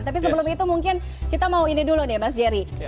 tapi sebelum itu mungkin kita mau ini dulu nih mas jerry